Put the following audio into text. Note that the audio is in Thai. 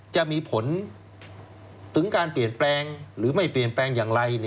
จะมีผลถึงการเปลี่ยนแปลงหรือไม่เปลี่ยนแปลงอย่างไร